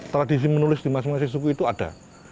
tradisi menulis di masing masing suku itu ada